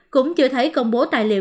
cũng chưa thấy công bố tài liệu